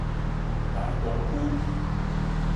大同區